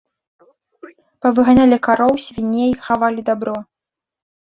Павыганялі кароў, свіней, хавалі дабро.